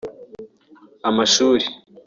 amashuri